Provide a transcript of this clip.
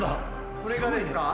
これがですか？